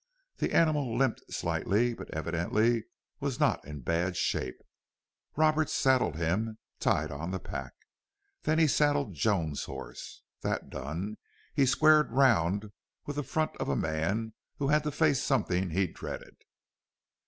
The animal limped slightly, but evidently was not in bad shape. Roberts saddled him, tied on the pack. Then he saddled Joan's horse. That done, he squared around with the front of a man who had to face something he dreaded.